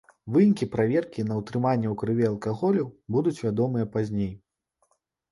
Вынікі праверкі на ўтрыманне ў крыві алкаголю будуць вядомыя пазней.